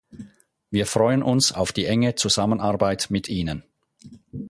Wir freuen uns auf die enge Zusammenarbeit mit Ihnen.